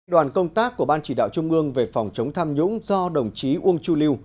đoàn công tác của ban chỉ đạo trung ương về phòng chống tham nhũng do đồng chí uông chu lưu